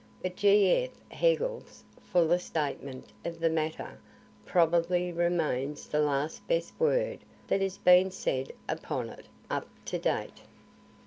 But G. F. Hegel's fuller statement of the matter probably remains the last best word that has been said upon it, up to date.